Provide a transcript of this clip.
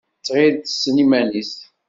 Tɣill tessen iman-is.